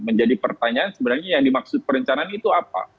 menjadi pertanyaan sebenarnya yang dimaksud perencanaan itu apa